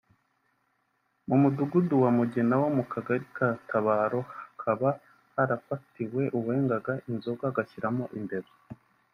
mu mudugudu wa Mugina wo mu kagari ka Katabaro hakaba harafatiwe uwengaga inzoga agashyiramo imbeba